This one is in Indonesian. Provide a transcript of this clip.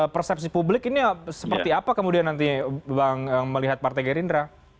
persepsi publik ini seperti apa kemudian nanti bang melihat partai gerindra